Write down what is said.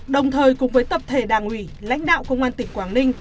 đồng thời cùng với tập thể đảng ủy lãnh đạo công an tỉnh quảng ninh